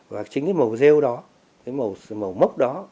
và chính cái màu rêu đó cái màu mốc đó